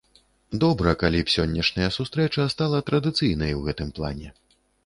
Добра калі б сённяшняя сустрэча стала традыцыйнай у гэтым плане.